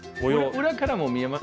裏からも見えます。